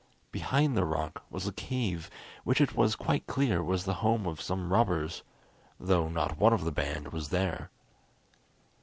Behind the rock was a cave which it was quite clear was the home of some robbers, though not one of the band was there.